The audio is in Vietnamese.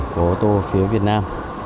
của ô tô phía việt nam